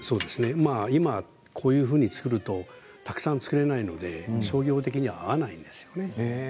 こういうふうに作って、たくさん作れないので商業的には、もうないですね。